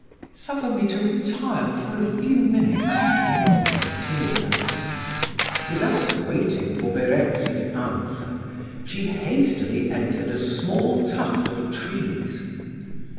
"Suffer me to retire for a few minutes," said Matilda. Without waiting for Verezzi's answer, she hastily entered a small tuft of trees.